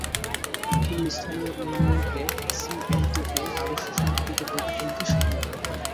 তিনি স্থানীয় ইউনিয়নকে সিএনটিকে আরো সুসংগঠিত করে তুলতে সহায়তা করেন।